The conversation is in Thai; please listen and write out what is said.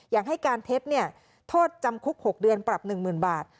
อย่างให้การเทปเนี่ยโทษจำคุกหกเดือนปรับหนึ่งหมื่นบาท